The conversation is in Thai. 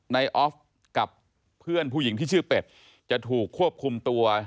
ออฟกับเพื่อนผู้หญิงที่ชื่อเป็ดจะถูกควบคุมตัว